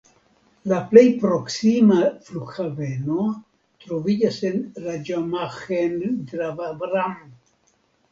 La plej proksima flughaveno troviĝas en Raĝamahendravaram.